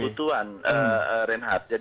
ini soal kebutuhan reinhardt